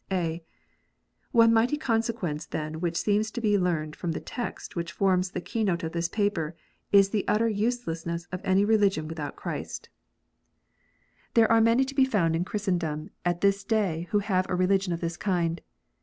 (a) One mighty consequence then which seems to be learned from the text which forms the keynote of this paper, is the utter uselessness of any religion without Christ. 36 KNOTS UNTIED. There are many to be found in Christendom at this day who have a religion of this kind.